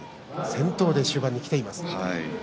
先頭で終盤にきています。